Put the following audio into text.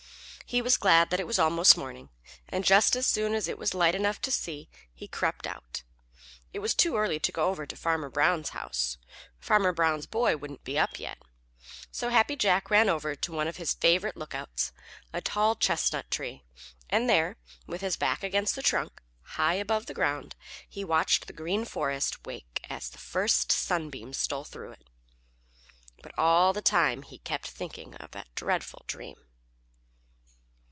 He was glad that it was almost morning, and just as soon as it was light enough to see, he crept out. It was too early to go over to Farmer Brown's house; Farmer Brown's boy wouldn't be up yet. So Happy Jack ran over to one of his favorite lookouts, a tall chestnut tree, and there, with his back against the trunk, high above the ground, he watched the Green Forest wake as the first Sunbeams stole through it. But all the time he kept thinking of that dreadful dream.